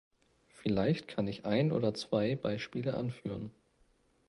Vielleicht kann ich ein oder zwei Beispiele anführen.